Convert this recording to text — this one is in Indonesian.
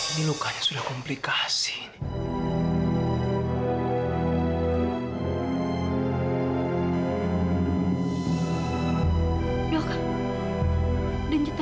ini lukanya sudah komplikasi